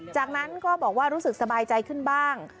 จากนั้นก็บอกว่ารู้สึกสบายใจขึ้นบ้าง